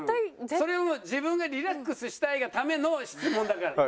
それも自分がリラックスしたいがための質問だから。